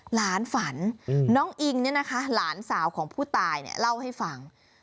หลานฝันน้องอิงเนี่ยนะคะหลานสาวของผู้ตายเนี่ยเล่าให้ฟัง